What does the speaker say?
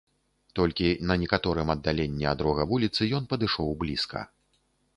Толькі на некаторым аддаленні ад рога вуліцы ён падышоў блізка.